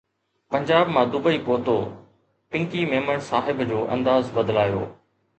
پنجاب مان دبئي پهتو پنڪي ميمڻ صاحب جو انداز بدلايو